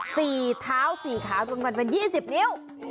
๕นิ้ว๔ท้าว๔ขาวมันเป็น๒๐นิ้ว